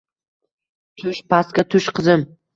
Tush, pastga tush qizim